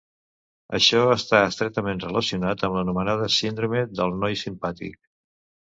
Això està estretament relacionat amb l'anomenada "síndrome del noi simpàtic".